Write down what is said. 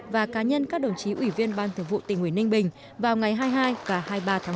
và cá nhân các đồng chí ủy viên ban thường vụ tỉnh nguyễn ninh bình vào ngày hai mươi hai và hai mươi ba tháng năm